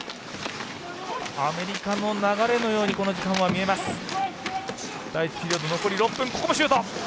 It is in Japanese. アメリカの流れのようにこの時間は見えます。